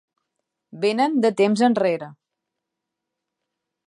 Vénen de temps enrere.